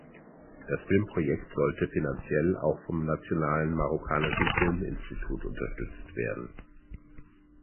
Das Filmprojekt sollte finanziell auch vom nationalen marokkanischen Filminstitut unterstützt werden.